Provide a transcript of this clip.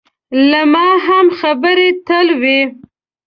له ما هم خبرې تل وي.